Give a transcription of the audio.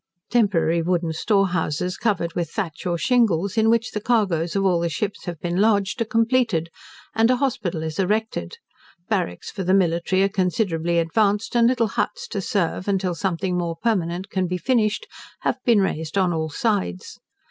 Temporary wooden storehouses covered with thatch or shingles, in which the cargoes of all the ships have been lodged, are completed; and an hospital is erected. Barracks for the military are considerably advanced; and little huts to serve, until something more permanent can be finished, have been raised on all sides.